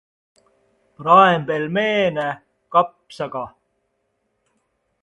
In this we get acquainted with the mature love of married people.